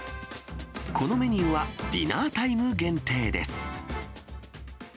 このメニューは、ディナータイム限定です。